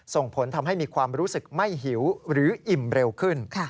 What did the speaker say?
ส่งผลทำให้มีความรู้สึกไม่หิวหรืออิ่มเร็วขึ้น